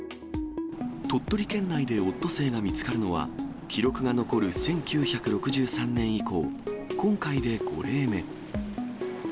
鳥取県内でオットセイが見つかるのは、記録が残る１９６３年以降、今回で５例目。